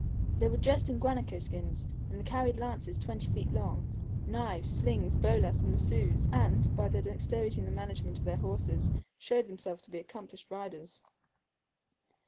They were dressed in guanaco skins, and carried lances twenty feet long, knives, slings, bolas, and lassos, and, by their dexterity in the management of their horses, showed themselves to be accomplished riders.